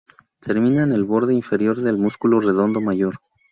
Termina en el borde inferior del músculo redondo mayor.